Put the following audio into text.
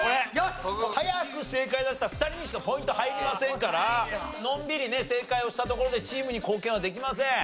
早く正解出した２人にしかポイント入りませんからのんびりね正解をしたところでチームに貢献はできません。